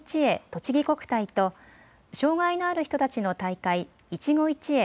とちぎ国体と障害のある人たちの大会、いちご一会